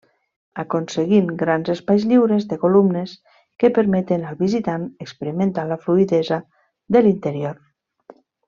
Aconseguint grans espais lliures de columnes que permeten al visitant experimentar la fluïdesa de l'interior.